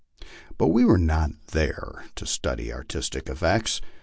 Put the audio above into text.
But we were not there to study artistic effects.